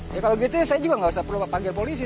ya kalau gitu saya juga nggak usah perlu panggil polisi